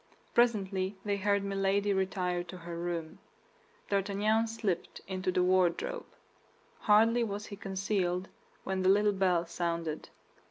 Presently they heard Milady retire to her room. D'Artagnan slipped into the wardrobe. Hardly was he concealed when the little bell sounded.